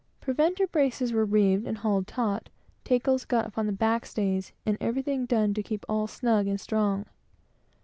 Preventer braces were reeved and hauled taut; tackles got upon the backstays; and each thing done to keep all snug and strong.